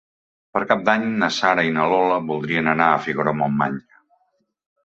Per Cap d'Any na Sara i na Lola voldrien anar a Figaró-Montmany.